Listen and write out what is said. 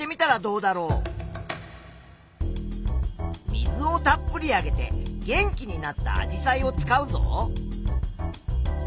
水をたっぷりあげて元気になったアジサイを使うぞ。